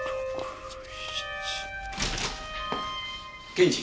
検事。